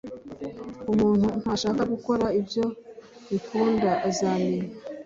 Umuntu nashaka gukora ibyo Ikunda azamenya